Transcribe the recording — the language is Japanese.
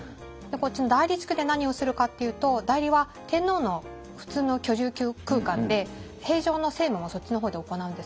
こっちの内裏地区で何をするかっていうと内裏は天皇の普通の居住空間で平常の政務もそっちの方で行うんですね。